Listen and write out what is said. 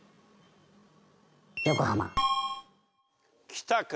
きたか？